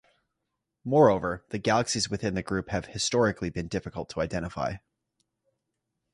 Moreover, the galaxies within the group have historically been difficult to identify.